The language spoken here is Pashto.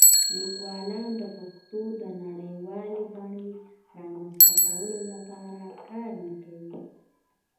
لیکوالان د پښتو د نړیوالې بڼې د رامنځته کولو لپاره کار نه کوي.